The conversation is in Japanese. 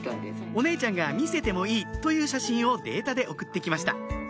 お姉ちゃんが見せてもいいという写真をデータで送って来ました